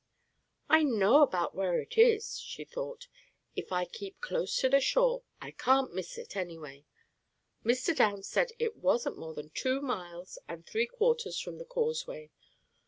"I know about where it is," she thought. "If I keep close to the shore I can't miss it, anyway. Mr. Downs said it wasn't more than two miles and three quarters from the causeway.